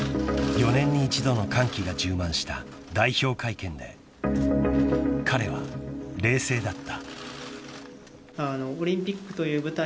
［４年に一度の歓喜が充満した代表会見で彼は冷静だった］